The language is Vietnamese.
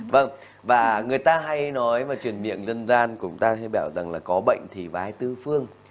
vâng và người ta hay nói và truyền miệng dân gian của chúng ta sẽ bảo rằng là có bệnh thì bái tư phương